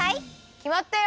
きまったよ！